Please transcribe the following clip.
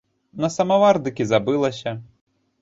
На самавар дык і забылася.